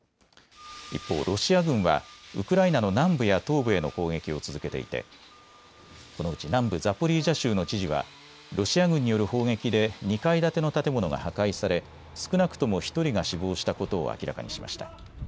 一方、ロシア軍はウクライナの南部や東部への攻撃を続けていてこのうち南部ザポリージャ州の知事はロシア軍による砲撃で２階建ての建物が破壊され少なくとも１人が死亡したことを明らかにしました。